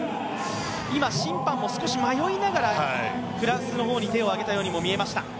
今、審判も少し迷いながらフランスの方に手を上げたようにも見えました。